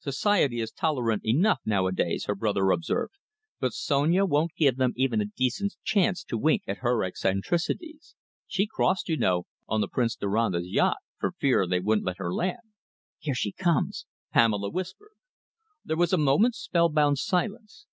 "Society is tolerant enough nowadays," her brother observed, "but Sonia won't give them even a decent chance to wink at her eccentricities. She crossed, you know, on the Prince Doronda's yacht, for fear they wouldn't let her land." "Here she comes," Pamela whispered. There was a moment's spellbound silence.